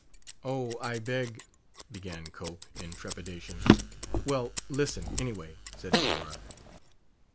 "Oh, I beg " began Cope, in trepidation. "Well, listen, anyway," said Medora.